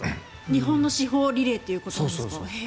日本の至宝リレーということですか。